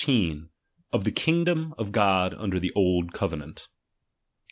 —■ OF THE KINGDOM OF GOD UNDER THE OLD COVENANT.